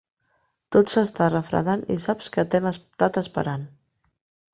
Tot s'està refredant i saps que t'hem estat esperant.